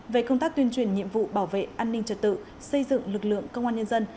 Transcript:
về công tác tuyên truyền nhiệm vụ bảo vệ an ninh trật tự xây dựng lực lượng công an nhân dân